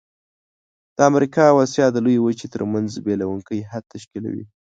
د امریکا او آسیا د لویې وچې ترمنځ بیلوونکی حد تشکیلوي.